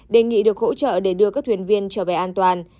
đề nghị được hỗ trợ để đưa các thuyền viên trở về an toàn